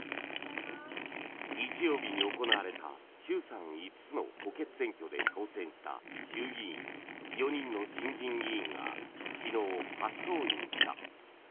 日曜日に行われた衆参５つの補欠選挙で当選した衆議院４人の新人議員が昨日、初登院した。